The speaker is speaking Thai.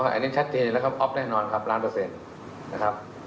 อันนี้ชัดเจนแล้วครับอ๊อฟแน่นอนครับล้านเปอร์เซ็นต์นะครับ